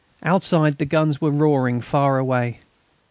Outside the guns were roaring far away.